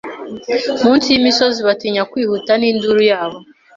Munsi yimisozi batinya kwihuta ninduru yabo